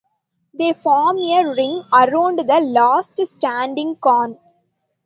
They form a ring around the last standing corn.